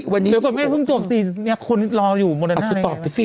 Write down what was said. ดูนะครับฉันตอนนี้ช่วงจบสิคนรออยู่บนหน้า